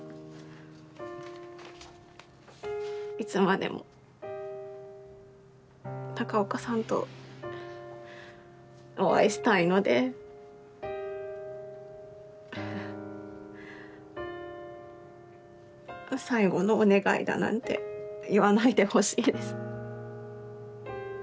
いつまでも中岡さんとお会いしたいので最後のお願いだなんて言わないでほしいです。